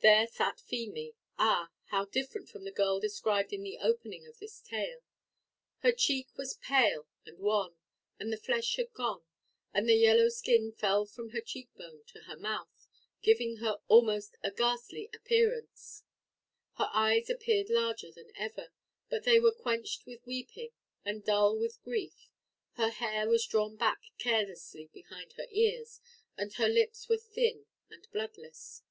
There sat Feemy. Ah! how different from the girl described in the opening of this tale. Her cheek was pale and wan, and the flesh had gone, and the yellow skin fell in from her cheekbone to her mouth, giving her almost a ghastly appearance; her eyes appeared larger than ever, but they were quenched with weeping, and dull with grief; her hair was drawn back carelessly behind her ears, and her lips were thin and bloodless.